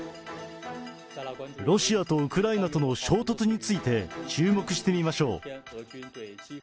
ロシアとウクライナとの衝突について、注目してみましょう。